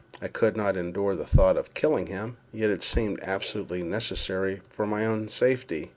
I could not endure the thought of killing him, yet it seemed absolutely necessary for my own safety.